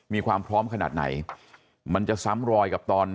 มีความพร้อมขนาดไหนมันจะซ้ำรอยกับตอน